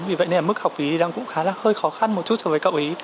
vì vậy nên là mức học phí đang cũng khá là hơi khó khăn một chút so với cậu ý